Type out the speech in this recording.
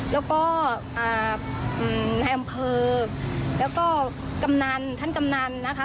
แล้วก็ในอำเภอแล้วก็กำนันท่านกำนันนะคะ